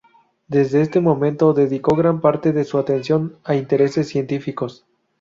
Desde este momento, dedicó gran parte de su atención a intereses científicos.